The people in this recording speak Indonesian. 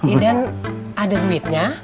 iden ada duitnya